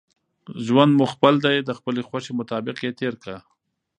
ژوند مو خپل دئ، د خپلي خوښي مطابق ئې تېر که!